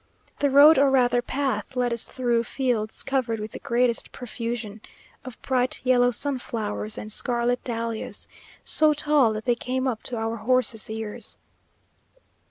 The road, or rather path, led us through fields, covered with the greatest profusion of bright yellow sunflowers and scarlet dahlias, so tall that they came up to our horses' ears.